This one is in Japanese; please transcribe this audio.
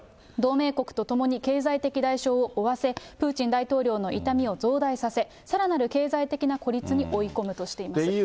同盟国とともに経済的代償を負わせ、プーチン大統領の痛みを増大させ、さらなる経済的な孤立に追い込むとしています。